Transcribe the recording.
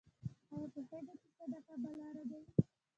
ایا پوهیږئ چې صدقه بلا ردوي؟